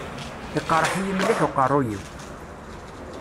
Iqerreḥ-iyi mliḥ uqerruy-iw.